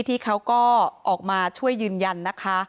ที่เขาก็ออกมาช่วยยืนยันนะคะ